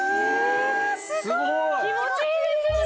気持ちいいですよね！